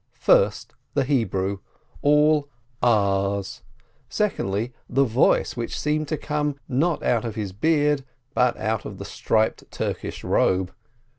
First, the Hebrew — all a's. Secondly, the voice, which seemed to come, not out of his beard, but out of the striped Turkish robe.